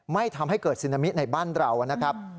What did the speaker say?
ไม่ทำให้เกิดซึนามิในบ้านเรานะครับ